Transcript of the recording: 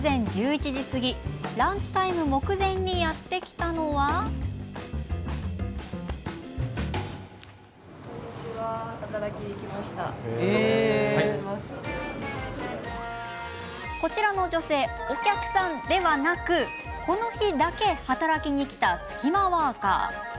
午前１１時過ぎランチタイム目前にやって来たのはこちらの女性、お客さんではなくこの日だけ働きに来たスキマワーカー。